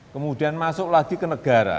kemudian masuk lagi ke negara